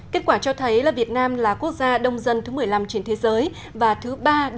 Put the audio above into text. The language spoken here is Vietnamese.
kết quả cho thấy là việt nam là quốc gia đông dân thứ một mươi năm